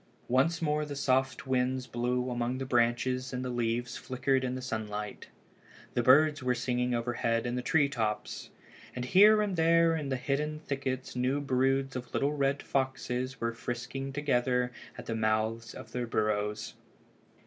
Once more the soft winds blew among the branches and the leaves flickered in the sunlight. The birds were singing overhead in the tree tops. And here and there in the hidden thickets new broods of little red foxes were frisking together at the mouths of the burrows.